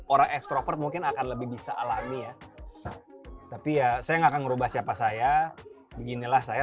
orang extrovert mungkin akan lebih bisa alami ya tapi ya saya nggak akan merubah siapa saya beginilah saya